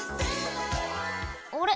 あれ？